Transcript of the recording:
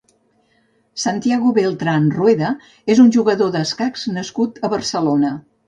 Santiago Beltrán Rueda és un jugador d'escacs nascut a Barcelona.